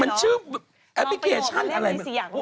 มันชื่อแอปพลิเคชันอะไร